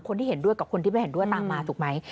คนที่เห็นด้วยกับคนที่ไม่เห็นด้วยตามมาถูกไหม